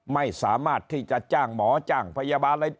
ไม่สามารถที่จะจ้างหมอจ้างพยาบาลอะไร